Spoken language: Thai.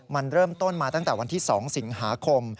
มันเริ่มต้นมาตั้งแต่วันที่๒สิงหาคม